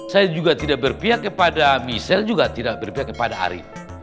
saya juga tidak berpihak kepada michelle juga tidak berpihak kepada arief